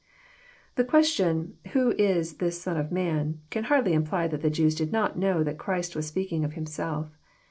The question "Who is this Son of man? "can hardly imply that the Jews did not know that Christ was speaking of Him self.